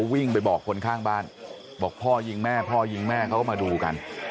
วิ่งไปบอกคนข้างบ้านบอกพ่อยิงแม่พ่อยิงแม่เขาก็มาดูกัน